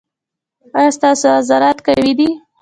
ایا ستاسو عضلات قوي دي؟